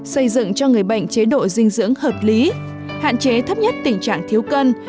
xây dựng cho người bệnh chế độ dinh dưỡng hợp lý hạn chế thấp nhất tình trạng thiếu cân